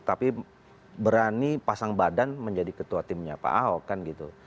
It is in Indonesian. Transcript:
tapi berani pasang badan menjadi ketua timnya pak ahok kan gitu